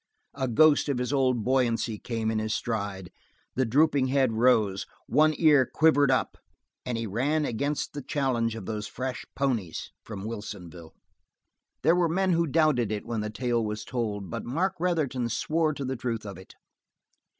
A ghost of his old buoyancy came in his stride, the drooping head rose, one ear quivered up, and he ran against the challenge of those fresh ponies from Wilsonville. There were men who doubted it when the tale was told, but Mark Retherton swore to the truth of it.